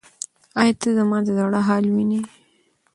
ایا ته زما د زړه حال وینې؟